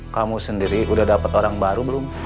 kamu sendiri udah dapat orang baru belum